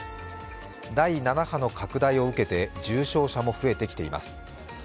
第７波の拡大を受けて重症者も増えてきています。